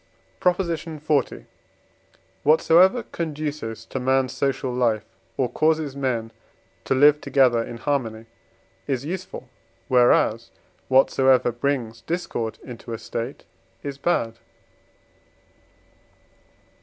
PROP. XL. Whatsoever conduces to man's social life, or causes men to live together in harmony, is useful, whereas whatsoever brings discord into a State is bad.